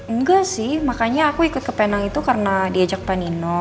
nggak sih makanya aku ikut ke penang itu karena diajak pak nino